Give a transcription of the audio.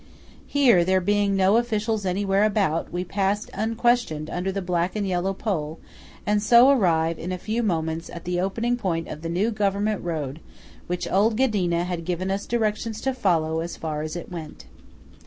Here, there being no officials anywhere about, we pass unquestioned under the black and yellow pole, and so arrive in a few moments at the opening point of the new government road which old Ghedina had given us directions to follow as far as it went.